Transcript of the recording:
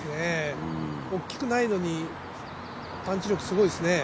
大っきくないのにパンチ力すごいですね。